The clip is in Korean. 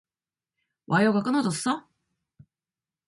와이어가 끊어졌어?